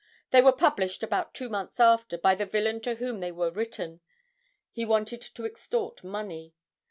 They were published about two months after, by the villain to whom they were written; he wanted to extort money.